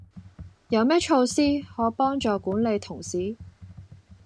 有咩措施可幫助管理同事？